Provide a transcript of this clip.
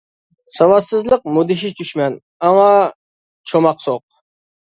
ساۋاتسىزلىق مۇدھىش دۈشمەن، ئاڭا چوماق سوق!